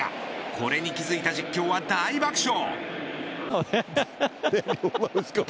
これに気づいた実況は大爆笑。